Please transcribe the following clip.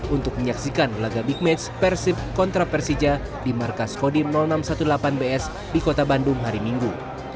untuk menyaksikan laga big match persib kontra persija di markas kodim enam ratus delapan belas bs di kota bandung hari minggu